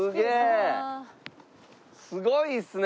すごいですね！